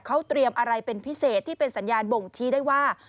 เขาเตรียมอะไรเป็นพิเศษที่เป็นสัญญาณบ่งชี้ได้ว่า